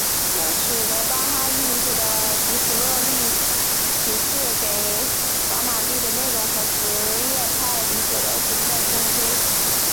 这使得巴哈伊理解的吉卜利勒启示给法蒂玛的内容和什叶派理解的存在冲突。